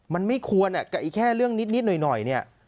มันไม่ควรแค่เรื่องนิดหน่อย